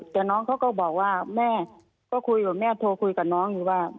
แต่น้องเขาก็บอกว่าแม่ก็คุยกับแม่โทรคุยกับน้องอยู่ว่า